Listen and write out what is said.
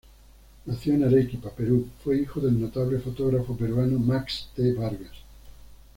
Nacido en Arequipa, Perú, fue hijo del notable fotógrafo peruano Max T. Vargas.